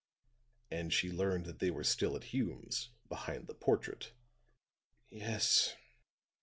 "And she learned that they were still at Hume's behind the portrait?" "Yes.